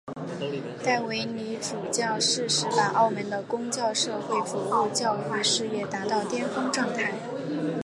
戴维理主教适时把澳门的公教社会服务教育事业达到巅峰状态。